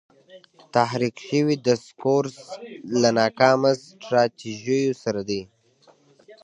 تحریف شوی دسکورس له ناکامه سټراټیژیو سره دی.